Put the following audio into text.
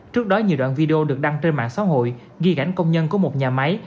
trước đó nhiều đoạn video được đăng trên mạng xã hội ghi gãnh công nhân của một nhà máy